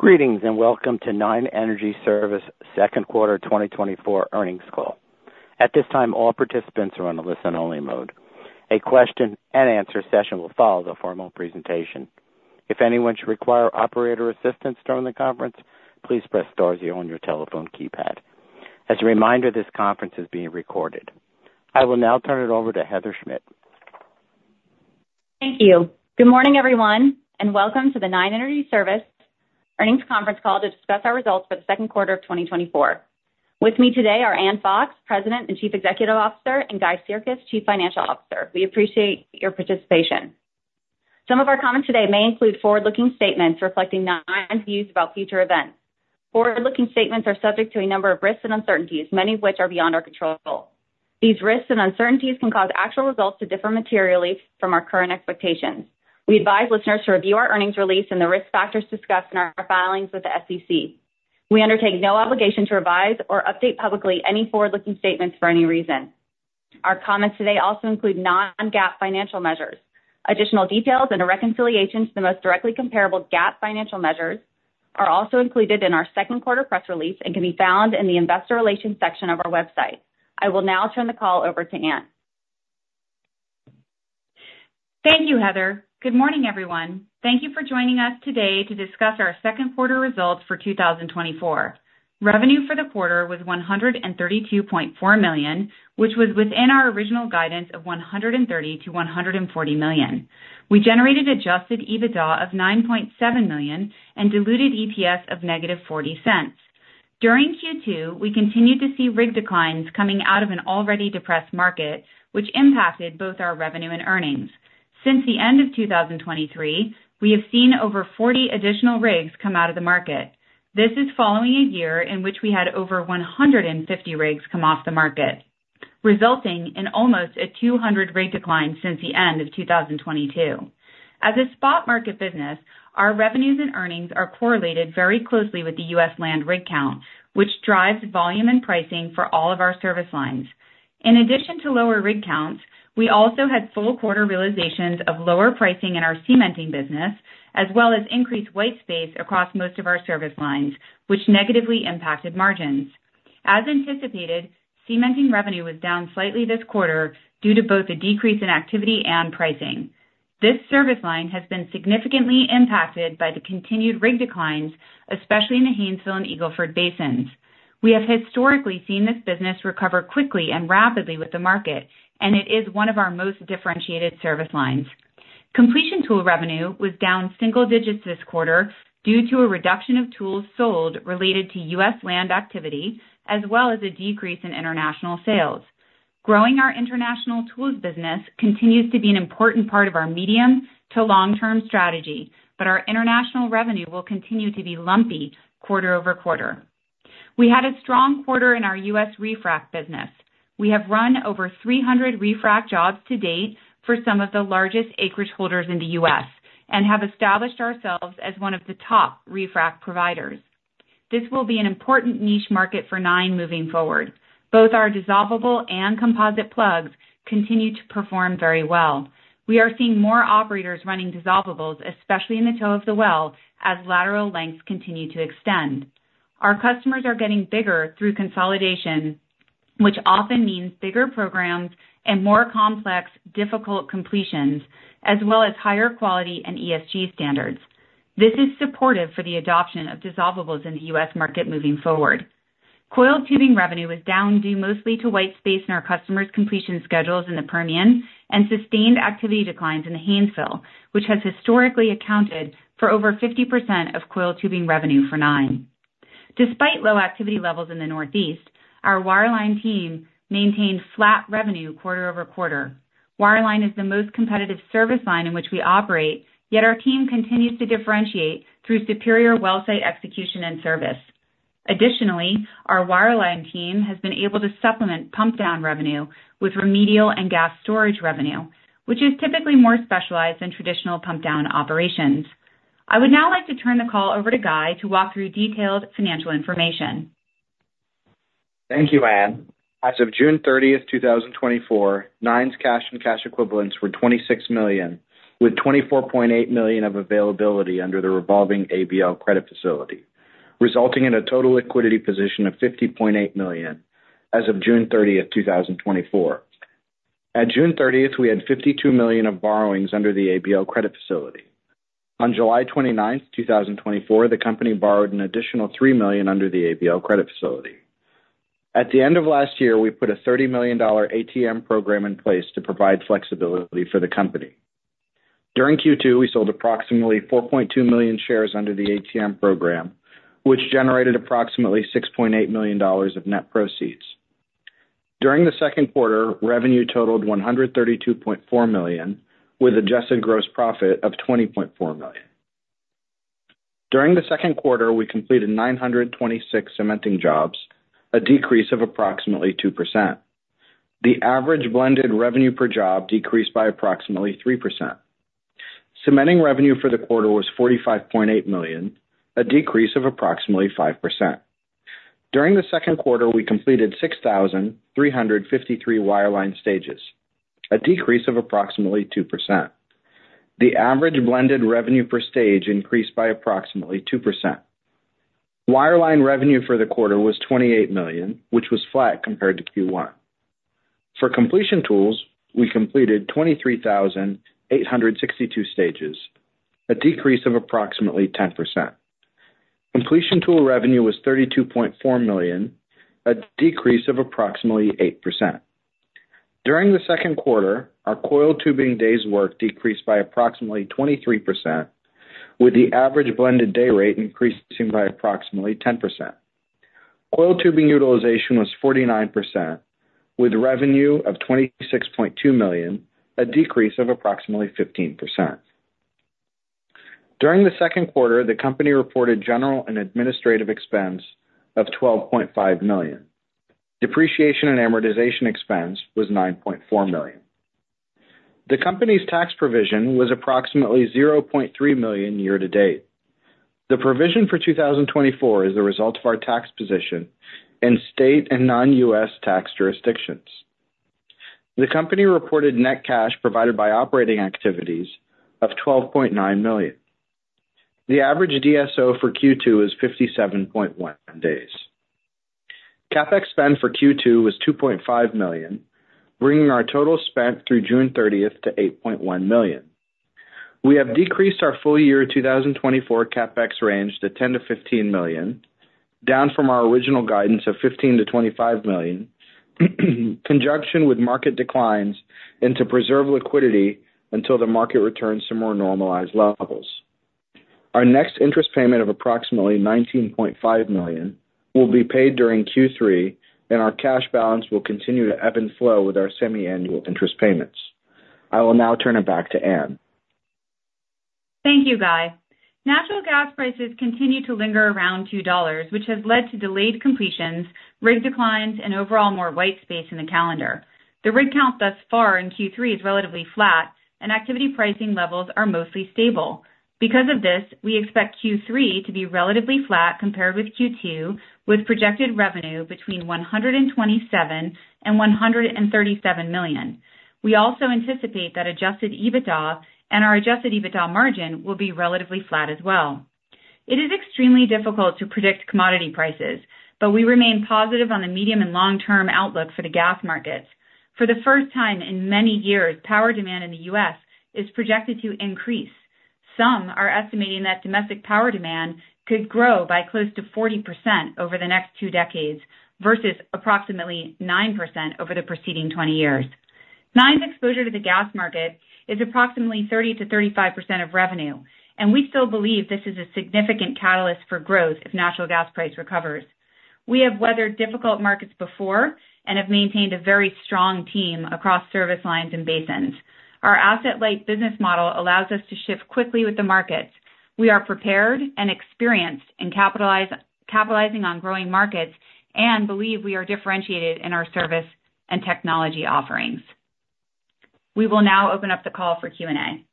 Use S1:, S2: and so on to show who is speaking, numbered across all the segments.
S1: Greetings, and welcome to Nine Energy Service second quarter 2024 earnings call. At this time, all participants are on a listen-only mode. A question-and-answer session will follow the formal presentation. If anyone should require operator assistance during the conference, please press star zero on your telephone keypad. As a reminder, this conference is being recorded. I will now turn it over to Heather Schmidt.
S2: Thank you. Good morning, everyone, and welcome to the Nine Energy Service earnings conference call to discuss our results for the second quarter of 2024. With me today are Ann Fox, President and Chief Executive Officer, and Guy Sirkes, Chief Financial Officer. We appreciate your participation. Some of our comments today may include forward-looking statements reflecting Nine's views about future events. Forward-looking statements are subject to a number of risks and uncertainties, many of which are beyond our control. These risks and uncertainties can cause actual results to differ materially from our current expectations. We advise listeners to review our earnings release and the risk factors discussed in our filings with the SEC. We undertake no obligation to revise or update publicly any forward-looking statements for any reason. Our comments today also include non-GAAP financial measures. Additional details and a reconciliation to the most directly comparable GAAP financial measures are also included in our second quarter press release and can be found in the investor relations section of our website. I will now turn the call over to Ann.
S3: Thank you, Heather. Good morning, everyone. Thank you for joining us today to discuss our second quarter results for 2024. Revenue for the quarter was $132.4 million, which was within our original guidance of $130 million-$140 million. We generated Adjusted EBITDA of $9.7 million and Diluted EPS of -$0.40. During Q2, we continued to see rig declines coming out of an already depressed market, which impacted both our revenue and earnings. Since the end of 2023, we have seen over 40 additional rigs come out of the market. This is following a year in which we had over 150 rigs come off the market, resulting in almost a 200 rig decline since the end of 2022. As a spot market business, our revenues and earnings are correlated very closely with the U.S. land rig count, which drives volume and pricing for all of our service lines. In addition to lower rig counts, we also had full quarter realizations of lower pricing in our cementing business, as well as increased white space across most of our service lines, which negatively impacted margins. As anticipated, cementing revenue was down slightly this quarter due to both a decrease in activity and pricing. This service line has been significantly impacted by the continued rig declines, especially in the Haynesville and Eagle Ford basins. We have historically seen this business recover quickly and rapidly with the market, and it is one of our most differentiated service lines. Completion tool revenue was down single digits this quarter due to a reduction of tools sold related to U.S. land activity, as well as a decrease in international sales. Growing our international tools business continues to be an important part of our medium to long-term strategy, but our international revenue will continue to be lumpy quarter-over-quarter. We had a strong quarter in our U.S. refrac business. We have run over 300 refrac jobs to date for some of the largest acreage holders in the U.S. and have established ourselves as one of the top refrac providers. This will be an important niche market for Nine moving forward. Both our dissolvable and composite plugs continue to perform very well. We are seeing more operators running dissolvables, especially in the toe of the well, as lateral lengths continue to extend. Our customers are getting bigger through consolidation, which often means bigger programs and more complex, difficult completions, as well as higher quality and ESG standards. This is supportive for the adoption of dissolvables in the U.S. market moving forward. Coiled tubing revenue was down due mostly to white space in our customers' completion schedules in the Permian and sustained activity declines in the Haynesville, which has historically accounted for over 50% of coiled tubing revenue for Nine. Despite low activity levels in the Northeast, our wireline team maintained flat revenue quarter over quarter. Wireline is the most competitive service line in which we operate, yet our team continues to differentiate through superior well site execution and service. Additionally, our wireline team has been able to supplement pump down revenue with remedial and gas storage revenue, which is typically more specialized than traditional pump down operations. I would now like to turn the call over to Guy to walk through detailed financial information.
S4: Thank you, Ann. As of June 30, 2024, Nine's cash and cash equivalents were $26 million, with $24.8 million of availability under the revolving ABL credit facility, resulting in a total liquidity position of $50.8 million as of June 30th, 2024. At June 30th, we had $52 million of borrowings under the ABL credit facility. On July 29, 2024, the company borrowed an additional $3 million under the ABL credit facility. At the end of last year, we put a $30 million ATM program in place to provide flexibility for the company. During Q2, we sold approximately 4.2 million shares under the ATM program, which generated approximately $6.8 million of net proceeds. During the second quarter, revenue totaled $132.4 million, with adjusted gross profit of $20.4 million. During the second quarter, we completed 926 cementing jobs, a decrease of approximately 2%. The average blended revenue per job decreased by approximately 3%. Cementing revenue for the quarter was $45.8 million, a decrease of approximately 5%. During the second quarter, we completed 6,353 wireline stages, a decrease of approximately 2%. The average blended revenue per stage increased by approximately 2%. Wireline revenue for the quarter was $28 million, which was flat compared to Q1. For completion tools, we completed 23,862 stages, a decrease of approximately 10%. Completion tool revenue was $32.4 million, a decrease of approximately 8%. During the second quarter, our coiled tubing days' work decreased by approximately 23%, with the average blended day rate increasing by approximately 10%. Coiled tubing utilization was 49%, with revenue of $26.2 million, a decrease of approximately 15%. During the second quarter, the company reported general and administrative expense of $12.5 million. Depreciation and amortization expense was $9.4 million. The company's tax provision was approximately $0.3 million year to date. The provision for 2024 is the result of our tax position in state and non-U.S. tax jurisdictions. The company reported net cash provided by operating activities of $12.9 million. The average DSO for Q2 is 57.1 days. CapEx spend for Q2 was $2.5 million, bringing our total spent through June 30th to $8.1 million. We have decreased our full year 2024 CapEx range to $10 million-$15 million, down from our original guidance of $15 million-$25 million, in conjunction with market declines and to preserve liquidity until the market returns to more normalized levels. Our next interest payment of approximately $19.5 million will be paid during Q3, and our cash balance will continue to ebb and flow with our semiannual interest payments. I will now turn it back to Ann.
S3: Thank you, Guy. Natural gas prices continue to linger around $2, which has led to delayed completions, rig declines, and overall more white space in the calendar. The rig count thus far in Q3 is relatively flat, and activity pricing levels are mostly stable. Because of this, we expect Q3 to be relatively flat compared with Q2, with projected revenue between $127 million and $137 million. We also anticipate that Adjusted EBITDA and our Adjusted EBITDA margin will be relatively flat as well. It is extremely difficult to predict commodity prices, but we remain positive on the medium and long-term outlook for the gas markets. For the first time in many years, power demand in the U.S. is projected to increase. Some are estimating that domestic power demand could grow by close to 40% over the next 2 decades, versus approximately 9% over the preceding 20 years. Nine's exposure to the gas market is approximately 30%-35% of revenue, and we still believe this is a significant catalyst for growth if natural gas price recovers. We have weathered difficult markets before and have maintained a very strong team across service lines and basins. Our asset-light business model allows us to shift quickly with the markets. We are prepared and experienced in capitalizing on growing markets and believe we are differentiated in our service and technology offerings. We will now open up the call for Q&A.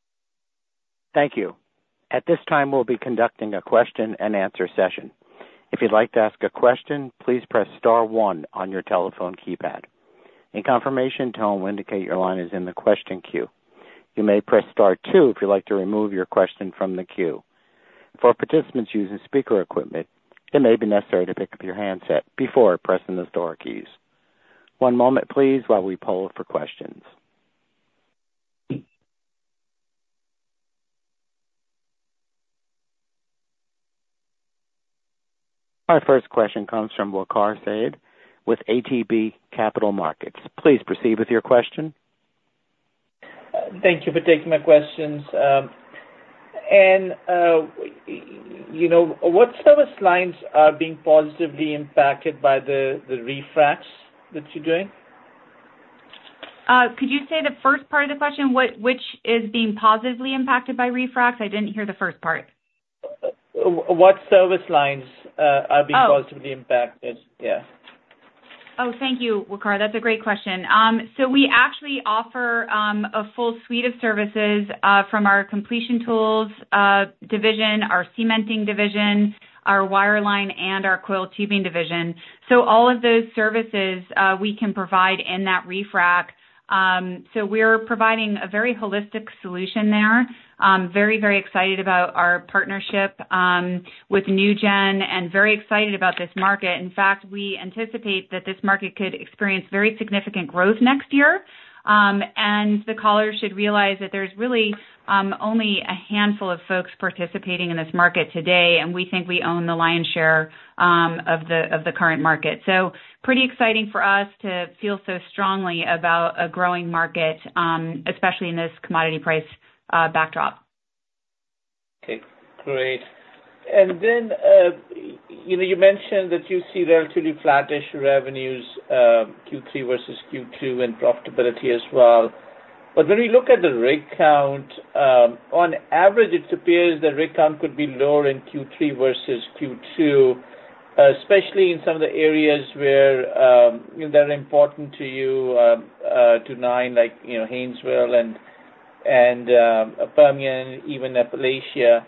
S1: Thank you. At this time, we'll be conducting a question-and-answer session. If you'd like to ask a question, please press star one on your telephone keypad. A confirmation tone will indicate your line is in the question queue. You may press star two if you'd like to remove your question from the queue. For participants using speaker equipment, it may be necessary to pick up your handset before pressing the star keys. One moment please, while we poll for questions. Our first question comes from Waqar Syed with ATB Capital Markets. Please proceed with your question.
S5: Thank you for taking my questions. Ann you know, what service lines are being positively impacted by the refracs that you're doing?
S3: Could you say the first part of the question? Which is being positively impacted by refracs? I didn't hear the first part.
S5: What service lines are?
S3: Oh.
S5: being positively impacted? Yeah.
S3: Oh, thank you, Waqar. That's a great question. So we actually offer a full suite of services from our completion tools division, our cementing division, our wireline, and our coiled tubing division. So all of those services we can provide in that refrac. So we're providing a very holistic solution there. Very, very excited about our partnership with NewGen, and very excited about this market. In fact, we anticipate that this market could experience very significant growth next year. And the callers should realize that there's really only a handful of folks participating in this market today, and we think we own the lion's share of the current market. So pretty exciting for us to feel so strongly about a growing market, especially in this commodity price backdrop.
S5: Okay, great. And then, you know, you mentioned that you see relatively flat-ish revenues, Q3 versus Q2, and profitability as well. But when we look at the rig count, on average, it appears the rig count could be lower in Q3 versus Q2, especially in some of the areas where, you know, they're important to you... to Nine, like, you know, Haynesville and, and, Permian, even Appalachia.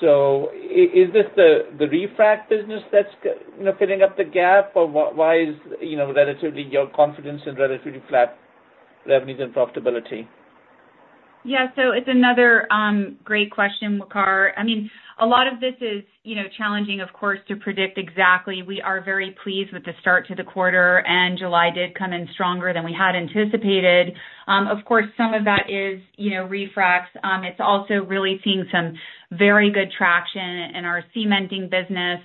S5: So is this the, the refrac business that's you know, filling up the gap? Or why is, you know, relatively your confidence in relatively flat revenues and profitability?
S3: Yeah. So it's another great question, Waqar. I mean, a lot of this is, you know, challenging, of course, to predict exactly. We are very pleased with the start to the quarter, and July did come in stronger than we had anticipated. Of course, some of that is, you know, refracs. It's also really seeing some very good traction in our cementing business,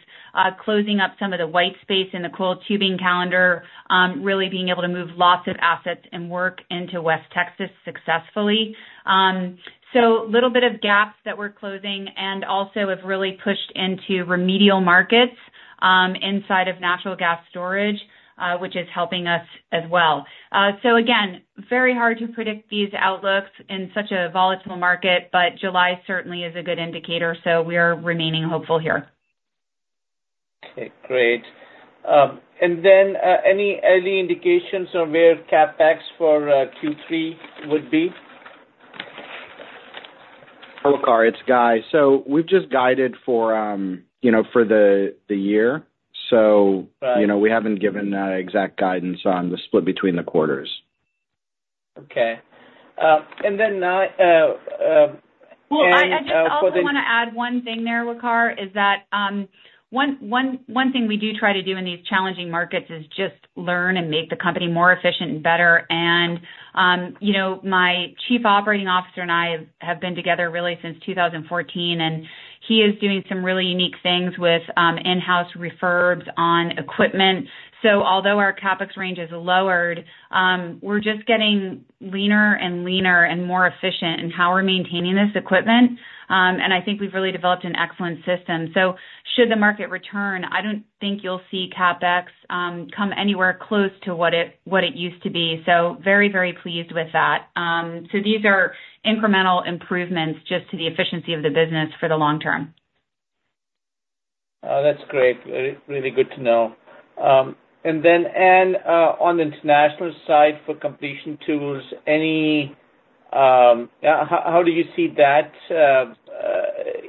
S3: closing up some of the white space in the coiled tubing calendar, really being able to move lots of assets and work into West Texas successfully. So little bit of gaps that we're closing, and also have really pushed into remedial markets, inside of natural gas storage, which is helping us as well. So again, very hard to predict these outlooks in such a volatile market, but July certainly is a good indicator, so we are remaining hopeful here.
S5: Okay, great. And then, any early indications on where CapEx for Q3 would be?
S4: Waqar, it's Guy. So we've just guided for, you know, for the year. So-
S5: Right.
S4: You know, we haven't given exact guidance on the split between the quarters.
S5: Okay. And then, for the-
S3: Well, I just also wanna add one thing there, Waqar, is that, one thing we do try to do in these challenging markets is just learn and make the company more efficient and better. And, you know, my Chief Operating Officer and I have been together really since 2014, and he is doing some really unique things with, in-house refurbs on equipment. So although our CapEx range is lowered, we're just getting leaner and leaner and more efficient in how we're maintaining this equipment. And I think we've really developed an excellent system. So should the market return, I don't think you'll see CapEx come anywhere close to what it used to be, so very, very pleased with that. So these are incremental improvements just to the efficiency of the business for the long term.
S5: That's great. Really, really good to know. And then, Ann, on the international side for completion tools, any, how do you see that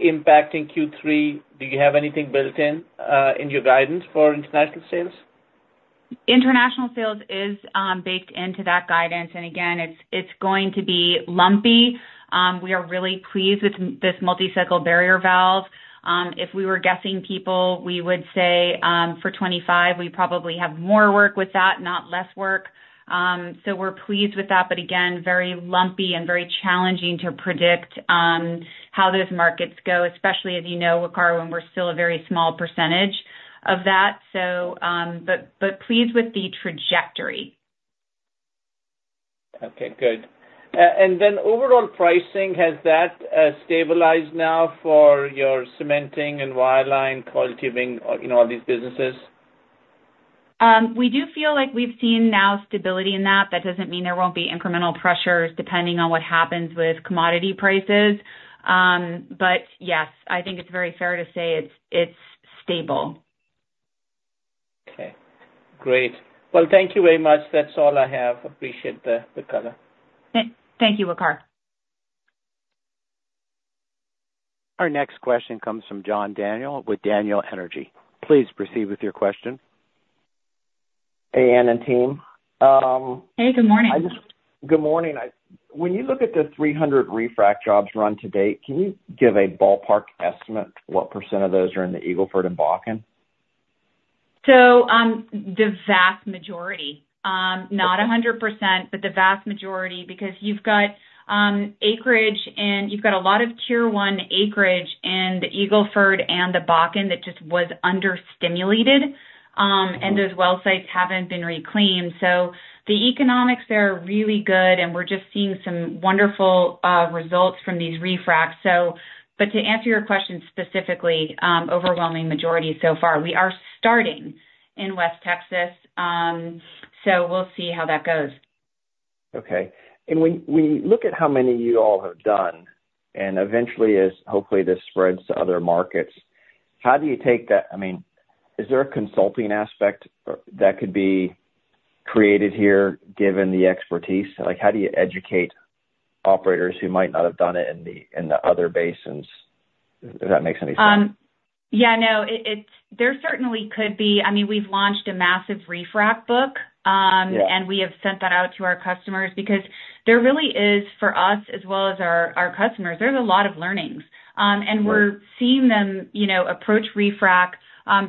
S5: impacting Q3? Do you have anything built in your guidance for international sales?
S3: International sales is baked into that guidance, and again, it's going to be lumpy. We are really pleased with this Multi-Cycle Barrier Valve. If we were guessing people, we would say, for 2025, we probably have more work with that, not less work. So we're pleased with that, but again, very lumpy and very challenging to predict how those markets go, especially as you know, Waqar, when we're still a very small percentage of that, so, but pleased with the trajectory.
S5: Okay, good. And then overall pricing, has that stabilized now for your cementing and wireline, coiled tubing, or, you know, all these businesses?
S3: We do feel like we've seen now stability in that. That doesn't mean there won't be incremental pressures, depending on what happens with commodity prices. But yes, I think it's very fair to say it's stable.
S5: Okay, great. Well, thank you very much. That's all I have. Appreciate the color.
S3: Thank you, Waqar.
S1: Our next question comes from John Daniel with Daniel Energy Partners. Please proceed with your question.
S6: Hey, Ann and team,
S3: Hey, good morning.
S6: Good morning. When you look at the 300 refrac jobs run to date, can you give a ballpark estimate what percent of those are in the Eagle Ford and Bakken?
S3: So, the vast majority. Not a hundred percent, but the vast majority, because you've got, acreage, and you've got a lot of Tier 1 acreage in the Eagle Ford and the Bakken that just was under-stimulated. And those well sites haven't been reclaimed. So the economics there are really good, and we're just seeing some wonderful, results from these refracs. So, but to answer your question, specifically, overwhelming majority so far. We are starting in West Texas, so we'll see how that goes.
S6: Okay. When you look at how many you all have done, and eventually as, hopefully, this spreads to other markets, how do you take that? I mean, is there a consulting aspect that could be created here, given the expertise? Like, how do you educate operators who might not have done it in the other basins, if that makes any sense?
S3: Yeah, no. There certainly could be. I mean, we've launched a massive refrac book.
S6: Yeah.
S3: and we have sent that out to our customers because there really is, for us, as well as our, our customers, there's a lot of learnings. And we're
S6: Right...
S3: seeing them, you know, approach refrac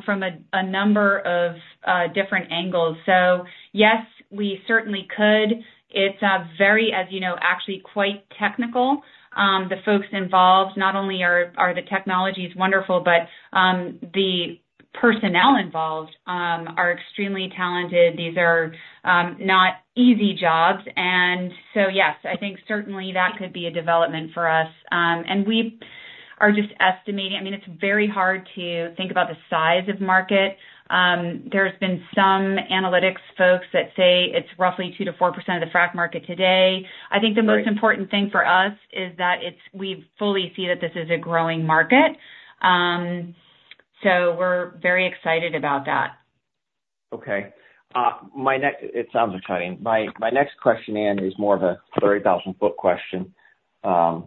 S3: from a number of different angles. So yes, we certainly could. It's very, as you know, actually quite technical. The folks involved, not only are the technologies wonderful, but the personnel involved are extremely talented. These are not easy jobs. And so, yes, I think certainly that could be a development for us. And we are just estimating. I mean, it's very hard to think about the size of market. There's been some analytics folks that say it's roughly 2%-4% of the frac market today. I think the most important thing for us is that it's, we fully see that this is a growing market. So we're very excited about that.
S6: Okay. My next question—it sounds exciting. My next question, Ann, is more of a 30,000-foot question. It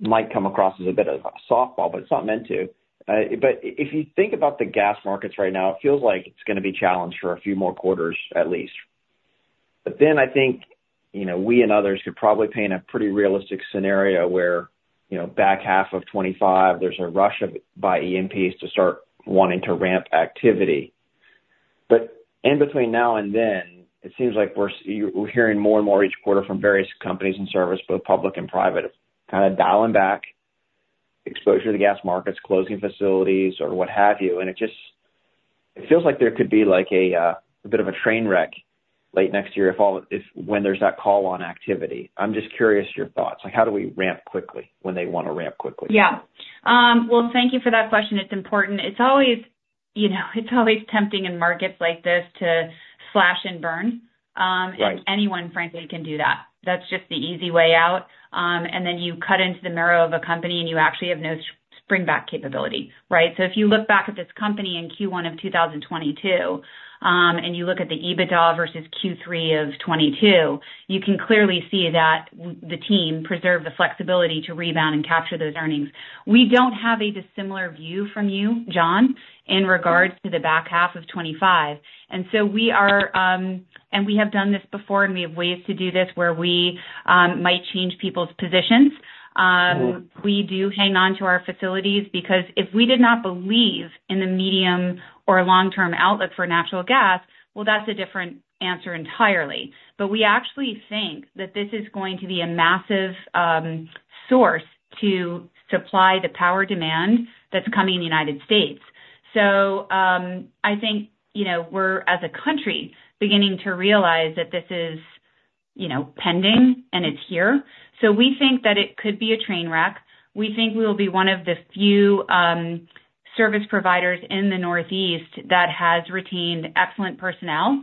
S6: might come across as a bit of a softball, but it's not meant to. But if you think about the gas markets right now, it feels like it's gonna be challenged for a few more quarters, at least. But then I think, you know, we and others could probably paint a pretty realistic scenario where, you know, back half of 2025, there's a rush by E&Ps to start wanting to ramp activity. But in between now and then, it seems like we're hearing more and more each quarter from various companies and service, both public and private, kind of dialing back exposure to the gas markets, closing facilities or what have you. It just feels like there could be like a bit of a train wreck late next year when there's that call on activity. I'm just curious your thoughts, like, how do we ramp quickly when they wanna ramp quickly?
S3: Yeah. Well, thank you for that question. It's important. It's always, you know, it's always tempting in markets like this to slash and burn.
S6: Right.
S3: -and anyone, frankly, can do that. That's just the easy way out. And then you cut into the marrow of a company, and you actually have no springback capability, right? So if you look back at this company in Q1 of 2022, and you look at the EBITDA versus Q3 of 2022, you can clearly see that the team preserved the flexibility to rebound and capture those earnings. We don't have a dissimilar view from you, John, in regards to the back half of 2025, and so we are... And we have done this before, and we have ways to do this, where we might change people's positions. We do hang on to our facilities, because if we did not believe in the medium or long-term outlook for natural gas, well, that's a different answer entirely. But we actually think that this is going to be a massive source to supply the power demand that's coming in the United States. So, I think, you know, we're, as a country, beginning to realize that this is, you know, pending and it's here. So we think that it could be a train wreck. We think we'll be one of the few service providers in the Northeast that has retained excellent personnel,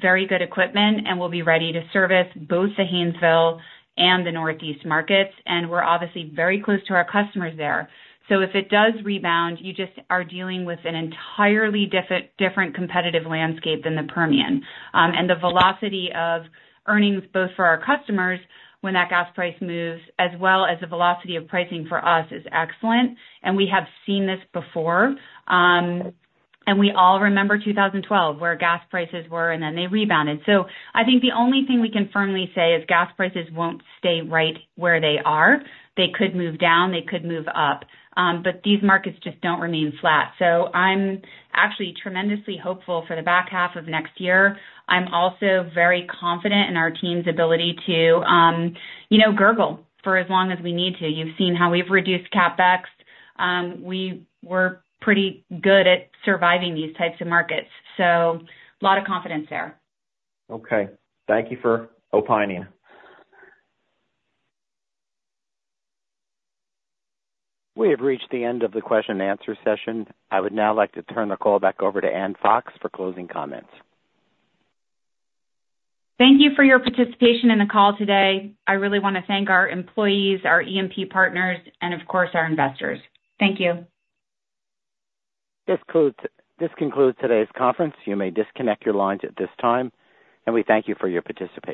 S3: very good equipment, and will be ready to service both the Haynesville and the Northeast markets. And we're obviously very close to our customers there. So if it does rebound, you just are dealing with an entirely different competitive landscape than the Permian. And the velocity of earnings, both for our customers, when that gas price moves, as well as the velocity of pricing for us, is excellent, and we have seen this before. And we all remember 2012, where gas prices were, and then they rebounded. So I think the only thing we can firmly say is gas prices won't stay right where they are. They could move down, they could move up, but these markets just don't remain flat. So I'm actually tremendously hopeful for the back half of next year. I'm also very confident in our team's ability to, you know, turtle for as long as we need to. You've seen how we've reduced CapEx. We were pretty good at surviving these types of markets, so a lot of confidence there.
S6: Okay. Thank you for opining.
S1: We have reached the end of the question and answer session. I would now like to turn the call back over to Ann Fox for closing comments.
S3: Thank you for your participation in the call today. I really wanna thank our employees, our E&P partners, and of course, our investors. Thank you.
S1: This concludes today's conference. You may disconnect your lines at this time, and we thank you for your participation.